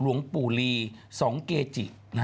หลวงปู่ลี๒เกจิ